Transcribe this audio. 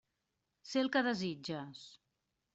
Sé el que desitges.